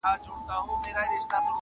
تور باڼۀ وروځې او زلفې خال او زخه ,